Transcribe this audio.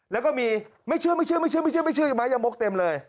แล้วก็มีไม่เชื่ออยู่ไหมยังมกเต็มเลย